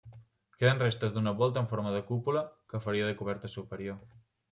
Queden restes d'una volta amb forma de cúpula, que faria de coberta superior.